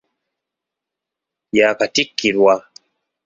Yaakatikkirwa.